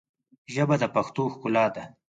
ژبه د پښتو ښکلا ده